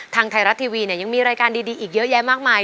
ทางไทยรัฐทีวีเนี่ยยังมีรายการดีอีกเยอะแยะมากมาย